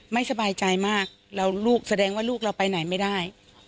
ไม่สบายใจมากแล้วลูกแสดงว่าลูกเราไปไหนไม่ได้